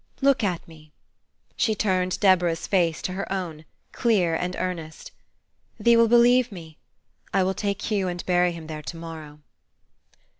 Look at me," She turned Deborah's face to her own, clear and earnest, "Thee will believe me? I will take Hugh and bury him there to morrow."